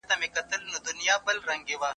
هغه د خپلواکۍ د ساتلو لپاره زړورتیا وښوده.